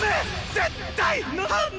絶対！